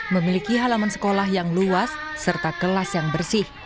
memiliki halaman sekolah yang luas serta kelas yang bersih